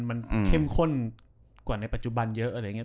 มันเข้มข้นกว่าในปัจจุบันเยอะอะไรอย่างนี้